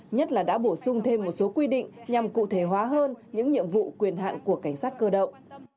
nhất là đã bổ sung thêm một số quy định nhằm cụ thể hóa hơn những nhiệm vụ quyền hạn của cảnh sát cơ động